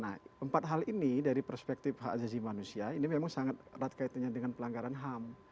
nah empat hal ini dari perspektif hak azazi manusia ini memang sangat erat kaitannya dengan pelanggaran ham